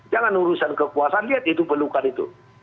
jangan urusan kekuasaan lihat itu pelukan itu